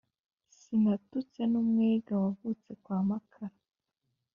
Sinatutse n'Umwega wavutse kwa Makara